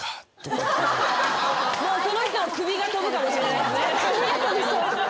もうその人の首が飛ぶかもしれないですね。